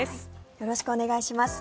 よろしくお願いします。